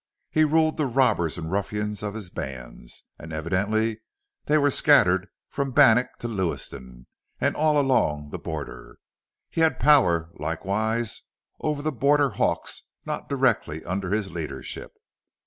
He ruled the robbers and ruffians in his bands, and evidently they were scattered from Bannack to Lewiston and all along the border. He had power, likewise, over the border hawks not directly under his leadership.